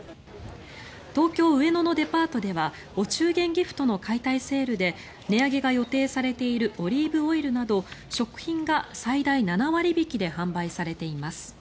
東京・上野のデパートではお中元ギフトの解体セールで値上げが予定されているオリーブオイルなど食品が最大７割引きで販売されています。